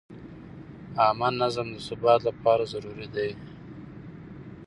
عامه نظم د ثبات لپاره ضروري دی.